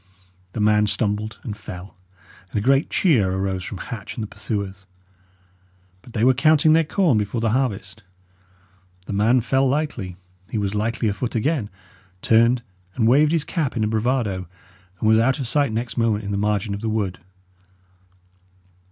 The man stumbled and fell, and a great cheer arose from Hatch and the pursuers. But they were counting their corn before the harvest. The man fell lightly; he was lightly afoot again, turned and waved his cap in a bravado, and was out of sight next moment in the margin of the wood.